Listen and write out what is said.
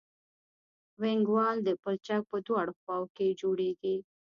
وینګ وال د پلچک په دواړو خواو کې جوړیږي